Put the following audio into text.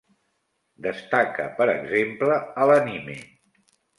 Destaca, per exemple, a l'anime.